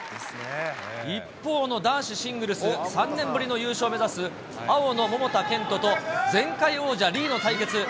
一方の男子シングルス、３年ぶりの優勝を目指す、青の桃田賢斗と前回王者、リーの対決。